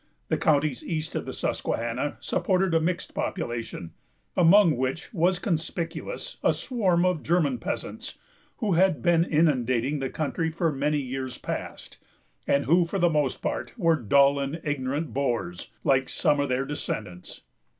The counties east of the Susquehanna supported a mixed population, among which was conspicuous a swarm of German peasants; who had been inundating the country for many years past, and who for the most part were dull and ignorant boors, like some of their descendants.